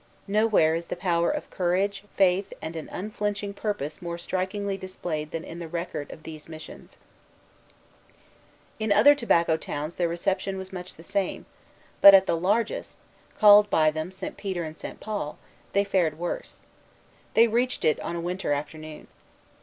Nowhere is the power of courage, faith, and an unflinching purpose more strikingly displayed than in the record of these missions. Lalemant, Relation des Hurons, 1640, 96. In other Tobacco towns their reception was much the same; but at the largest, called by them St. Peter and St. Paul, they fared worse. They reached it on a winter afternoon.